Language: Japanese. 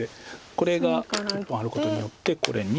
これが１本あることによってこれに。